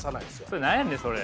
それ何やねんそれ。